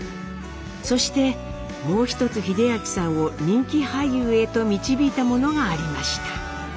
そしてもう一つ英明さんを人気俳優へと導いたものがありました。